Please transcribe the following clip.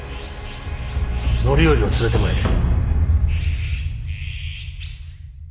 範頼を連れてまいれ。